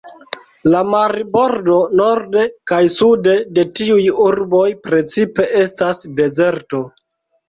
La marbordo norde kaj sude de tiuj urboj precipe estas dezerto.